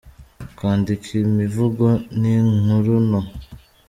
Kwandika imivugo n’inkuru nto.